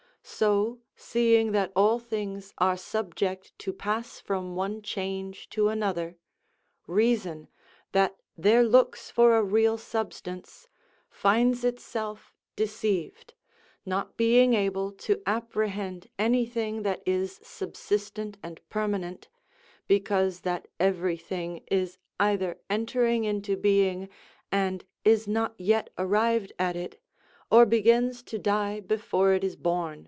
So, seeing that all things are subject to pass from one change to another, reason, that there looks for a real substance, finds itself deceived, not being able to apprehend any thing that is subsistent and permanent, because that every thing is either entering into being, and is not yet arrived at it, or begins to die before it is bom.